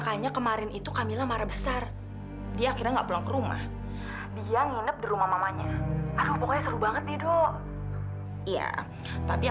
jangan tersikap kayak gini sama